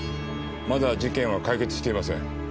まだ事件は解決していません。